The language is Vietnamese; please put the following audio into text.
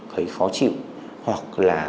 thấy khó chịu hoặc là